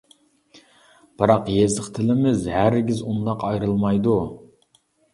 بىراق، يېزىق تىلىمىز ھەرگىز ئۇنداق ئايرىلمايدۇ.